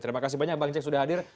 terima kasih banyak bang cek sudah hadir